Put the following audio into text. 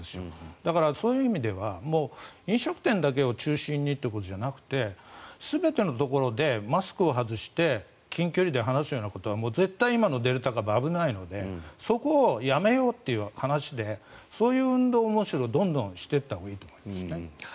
だから、そういう意味では飲食店だけを中心にということではなくて全てのところでマスクを外して近距離で話すようなことは絶対今のデルタ型危ないのでそこをやめようという話でそういう運動をむしろどんどんしていったほうがいいと思いますね。